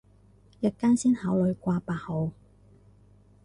日間先考慮掛八號